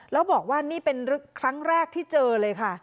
แล้วบอกว่านี่เป็นครั้งแรกที่เจอเลยค่ะ